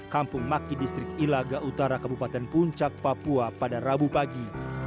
kampung maki distrik ilaga utara kabupaten puncak papua pada rabu pagi